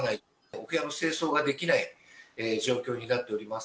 お部屋の清掃ができない状況になっております。